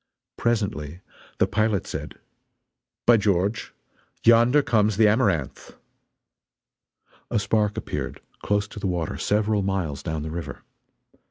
Presently the pilot said: "By George, yonder comes the Amaranth!" A spark appeared, close to the water, several miles down the river.